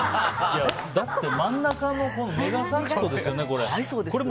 だって、真ん中のメガ幸子ですよね、これ。